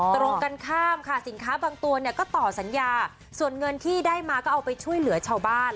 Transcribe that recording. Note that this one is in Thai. ตรงกันข้ามค่ะสินค้าบางตัวเนี่ยก็ต่อสัญญาส่วนเงินที่ได้มาก็เอาไปช่วยเหลือชาวบ้าน